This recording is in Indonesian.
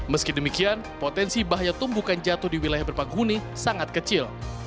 meski demikian potensi bahaya tumbukan jatuh di wilayah berpaguni sangat kecil